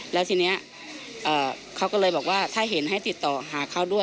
แล้วทีนี้เขาก็เลยบอกว่าถ้าเห็นให้ติดต่อหาเขาด้วย